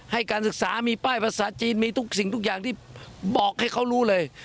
ให้การศึกษามีป้ายภาษาจีนมีทุกสิ่งทุกอย่างที่บอกให้เขารู้เลย